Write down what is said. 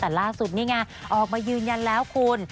แต่ล่าสุดนี่ไงออกมายืนยันแล้วคุณ